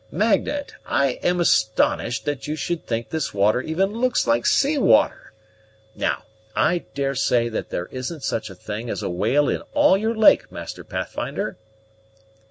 Magnet, I am astonished that you should think this water even looks like sea water! Now, I daresay that there isn't such a thing as a whale in all your lake, Master Pathfinder?"